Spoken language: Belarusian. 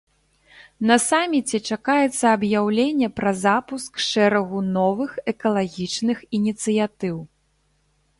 На саміце чакаецца аб'яўленне пра запуск шэрагу новых экалагічных ініцыятыў.